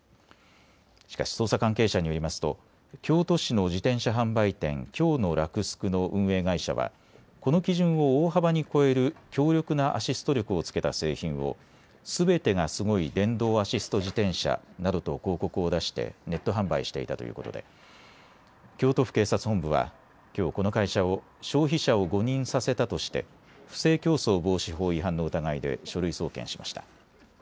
しかし捜査関係者によりますと京都市の自転車販売店、京の洛スクの運営会社はこの基準を大幅に超える強力なアシスト力をつけた製品をすべてがスゴイ電動アシスト自転車などと広告を出してネット販売していたということで京都府警察本部はきょう、この会社を消費者を誤認させたとして不正競争防止法違反の疑いで書類送検しました。